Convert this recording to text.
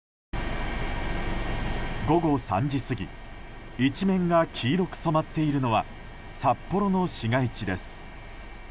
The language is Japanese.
午後３時過ぎ一面が黄色く染まっているのは札幌の市街地です。